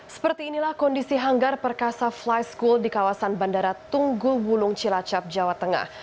seperti inilah kondisi hanggar perkasa fly school di kawasan bandara tunggu wulung cilacap jawa tengah